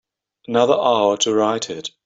Another hour to write it.